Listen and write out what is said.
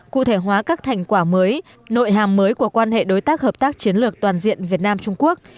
cụ thể hóa các thành quả mới nội hàm mới của quan hệ đối tác hợp tác chiến lược toàn diện việt nam trung quốc